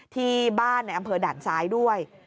ที่บ้านในอำเภอด่านซ้ายด้วย